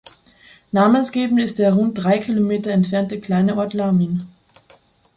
Namensgebend ist der rund drei Kilometer entfernte kleine Ort Lamin.